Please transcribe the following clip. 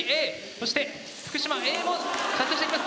そして福島Ａも射出していきます。